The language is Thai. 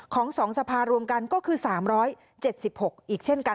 ๒สภารวมกันก็คือ๓๗๖อีกเช่นกัน